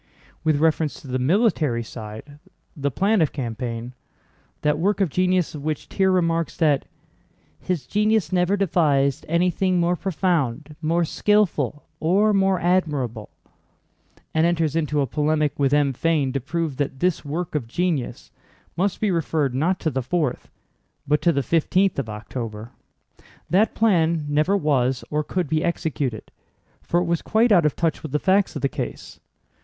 With reference to the military side—the plan of campaign—that work of genius of which Thiers remarks that, "His genius never devised anything more profound, more skillful, or more admirable," and enters into a polemic with M. Fain to prove that this work of genius must be referred not to the fourth but to the fifteenth of October—that plan never was or could be executed, for it was quite out of touch with the facts of the case.